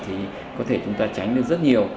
thì có thể chúng ta tránh được rất nhiều